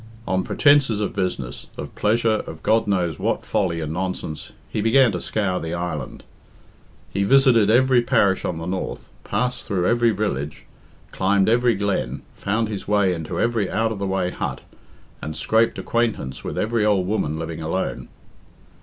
On pretences of business, of pleasure, of God knows what folly and nonsense, he began to scour the island. He visited every parish on the north, passed through every village, climbed every glen, found his way into every out of the way hut, and scraped acquaintance with every old woman living alone.